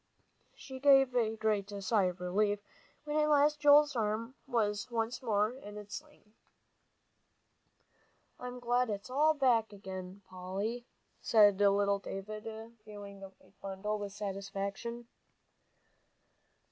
She gave a great sigh of relief, when at last Joel's arm was once more in its sling. "I'm glad it's all back again, Polly," said little David, viewing the white bundle with satisfaction.